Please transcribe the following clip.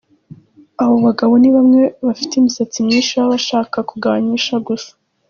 Abo bagabo ni bamwe bafite imisatsi myishi baba bashaka kugabanyisha gusa.